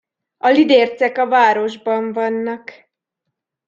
A lidércek a városban vannak!